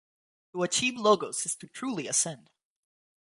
To achieve logos is to truly ascend.